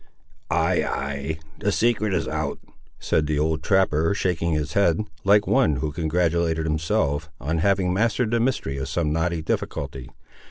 "Ay—ay—the secret is out," said the old trapper, shaking his head, like one who congratulated himself on having mastered the mystery of some knotty difficulty.